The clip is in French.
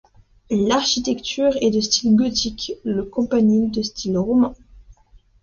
L'architecture est de style gothique, le campanile de style roman.